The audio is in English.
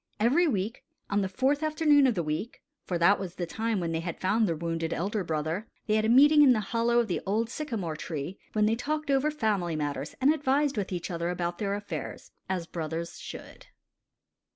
Every week, on the fourth afternoon of the week (for that was the time when they had found their wounded elder brother), they had a meeting in the hollow of the old sycamore tree, when they talked over family matters and advised with each other about their affairs, as brothers should.